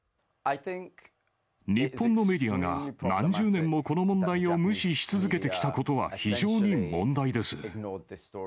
日本のメディアが何十年もこの問題を無視し続けてきたことは非常に問題です。